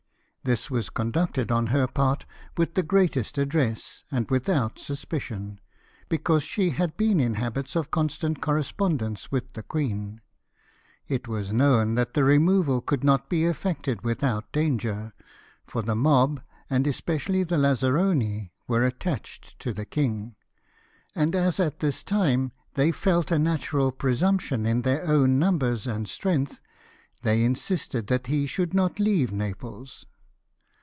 This was conducted, on her part, with the greatest address, and without suspicion, because she had been in habits of constant correspondence with the queen. It was laiown that the removal could not be effected without danger, for the mob, and especially the lazzaroni, were attached to the king ; and as at this time they felt a natural presumption in their own numbers and strength, they insisted that he should not leave Naples.